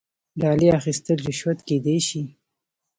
ډالۍ اخیستل رشوت کیدی شي